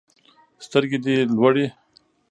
سترګي دي لوړی